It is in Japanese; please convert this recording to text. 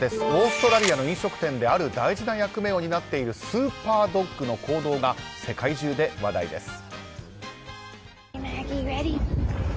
オーストラリアの飲食店である大事な役目を担っているスーパードッグの行動が世界中で話題です。